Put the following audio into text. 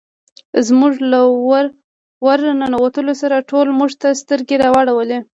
زموږ له ور ننوتلو سره ټولو موږ ته سترګې را واړولې.